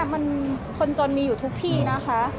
มันคนจนมีอยู่ทุกที่นะคะ